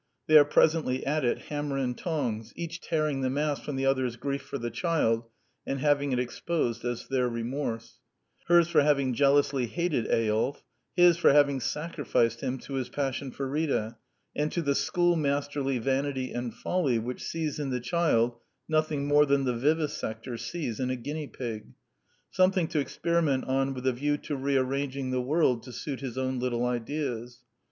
They are presently at it hammer and tongs, each tearing the mask from the other's grief for the child, and leaving it exposed as their remorse: hers for having jealously hated Eyolf : his for having sacrificed him to his passion for Rita, and to the schoolmasterly vanity and folly which sees in the child nothing more than the vivisector sees in a guinea pig: something to experiment on with a view to rearranging the world to suit his own little ideas.